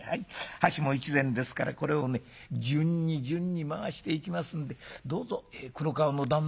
箸も一膳ですからこれをね順に順に回していきますんでどうぞ黒川の旦那」。